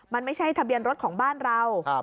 มันไม่ใช่ทะเบียนรถของบ้านเรา